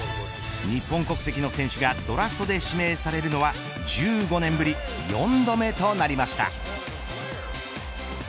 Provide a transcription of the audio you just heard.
日本国籍の選手がドラフトで指名されるのは１５年ぶり４度目となりました。